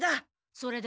それで？